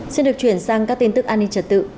xin được chuyển sang các tin tức an ninh trật tự